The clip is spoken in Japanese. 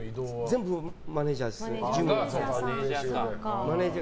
全部、マネジャーです。